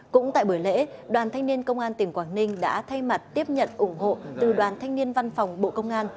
cũng tại buổi lễ đoàn thanh niên công an tỉnh quảng ninh đã thay mặt tiếp nhận ủng hộ từ đoàn thanh niên văn phòng bộ công an